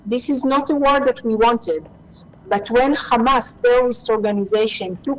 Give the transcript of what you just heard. มี๑๑คนเป็นแทนขันตอสางเทพ้าคำมัสที่ถูกถูกถูกกล่อง